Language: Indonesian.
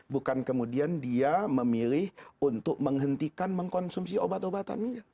bukan kemudian dia memilih untuk menghentikan mengkonsumsi obat obatannya